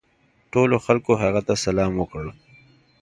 ټولو خلکو هغه ته سلام وکړ.